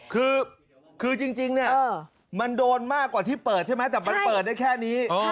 คือจริงเนี่ยมันโดนมากกว่าที่เปิดใช่ไหมแต่มันเปิดได้แค่นี้